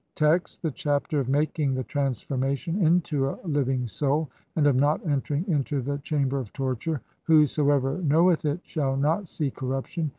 Text : (1) The Chapter of making the transformation INTO A LIVING SOUL, AND OF NOT ENTERING INTO THE CHAMBER OF TORTURE ; whosoever knoweth [it] shall not see corruption.